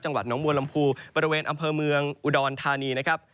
จังหวัดหนองมวลลำพูบริเวณอำเภอเมืองอุดรธานีนะครับ